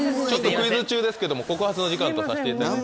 クイズ中ですけども告発の時間とさせていただきます。